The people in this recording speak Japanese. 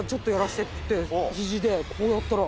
肘でこうやったら。